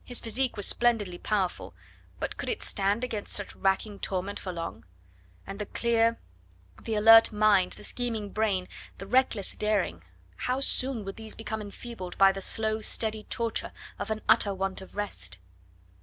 His physique was splendidly powerful, but could it stand against such racking torment for long? And the clear, the alert mind, the scheming brain, the reckless daring how soon would these become enfeebled by the slow, steady torture of an utter want of rest?